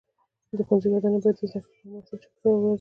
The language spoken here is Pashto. د ښوونځي ودانۍ باید د زده کړې لپاره مناسب چاپیریال ولري.